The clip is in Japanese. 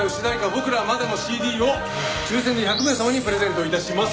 『僕らはまだ』のＣＤを抽選で１００名様にプレゼント致します。